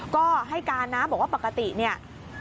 ก็ให้การนะบอกว่าปกติเนี่ย